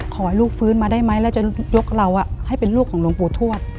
ขอให้ลูกฟื้นมาได้ไหมแล้วจะยกเราให้เป็นลูกของหลวงปู่ทวด